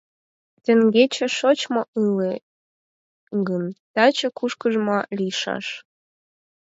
— Теҥгече шочмо ыле гын, таче кушкыжмо лийшаш.